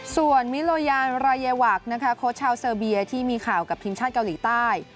ส่วนมิโลยานรายวักนะคะโค้ชชาวเซอร์เบียที่มีข่าวกับทีมชาติเกาหลีใต้